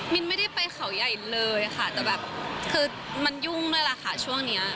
ไม่ได้ไปเขาใหญ่เลยค่ะแต่แบบคือมันยุ่งด้วยล่ะค่ะช่วงนี้